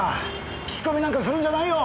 聞き込みなんかするんじゃないよ！